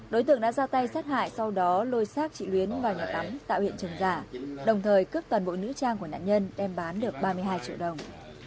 giáp đã ra tay sát hại sau đó lôi xác chị luyến vào nhà tắm tạo hiện trần giả đồng thời cướp toàn bộ nạn nhân đem được ba mươi hai triệu đồng